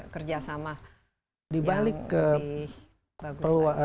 kerjasama yang lebih bagus